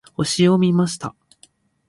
星を見ました。